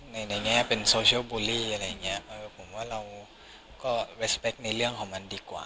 ไหนแง่เป็นโซเชียลบูลลี่อะไรอย่างนั้นเหมือนเราก็ควรรับข้อมูลของมันดีกว่า